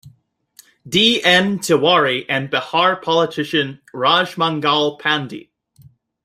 D. N. Tiwari and Bihar politician Raj Mangal Pandey.